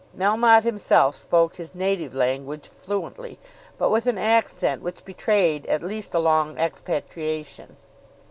Melmotte himself spoke his "native" language fluently, but with an accent which betrayed at least a long expatriation.